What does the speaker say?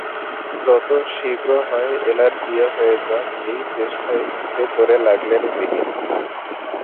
যত শীঘ্র হয় এলার বিয়ে হয়ে যাক এই চেষ্টায় উঠে পড়ে লাগলেন গৃহিণী।